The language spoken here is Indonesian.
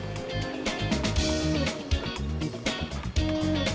sampai ketemu lagi di makassar